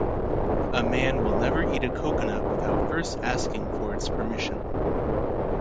A man will never eat a coconut without first asking for its permission.